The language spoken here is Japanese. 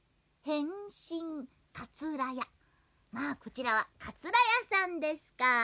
こちらはかつらやさんですか。